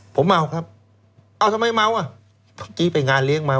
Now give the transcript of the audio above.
ผมเมาครับเอาทำไมเมาอ่ะเมื่อกี้ไปงานเลี้ยงมา